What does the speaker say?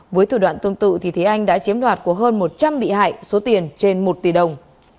với thử đoạn tương tự thì thế anh đã chiếm đoạt của hơn một trăm linh bị hại số tiền trên một tỷ đồng